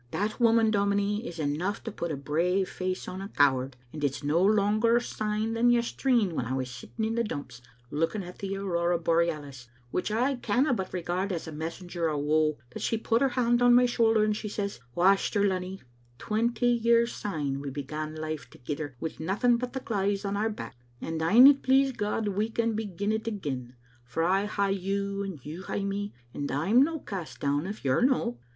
That woman, dominie, is eneuch to put a brave face on a coward, and Digitized by VjOOQ IC Scene at tbe SpfttaL dt» it's no langer syne than yestreen when I was sitting in the dumps, looking at the aurora borealis, which I canna but regard as a messenger o' woe, that she put her hand on my shoulder and she says, * Waster Lunny, twenty year syne we began life thegither wi* nothing but the claethes on our back, and an it please God we can begin it again, for I hae you and you hae me, and I'm no cast down if you're no.'